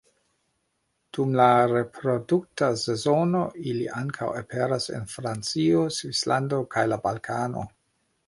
Dum la reprodukta sezono ili ankaŭ aperas en Francio, Svislando kaj la Balkano.